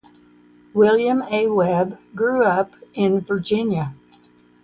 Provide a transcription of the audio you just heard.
William A. Webb grew up in Virginia.